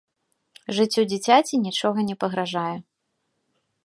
Жыццю дзіцяці нічога не пагражае.